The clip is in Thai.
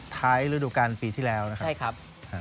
ท้ายฤดูกรรมปีที่แล้วนะครับ